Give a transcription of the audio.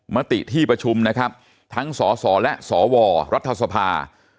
มติที่ประชุมนะครับทั้งสสและสวรัฐสภา